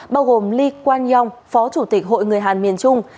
bao gồm lee kwan yong phó chủ tịch hội người hàn miền trung